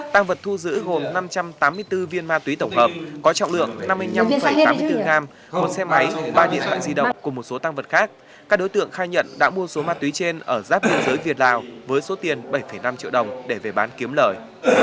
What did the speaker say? tăng vật thu giữ gồm năm trăm tám mươi bốn viên ma túy tổng hợp có trọng lượng năm mươi năm tám mươi bốn gram một xe máy ba điện thoại di động cùng một số tăng vật khác các đối tượng khai nhận đã mua số ma túy trên ở giáp biên giới việt lào với số tiền bảy năm triệu đồng để về bán kiếm lời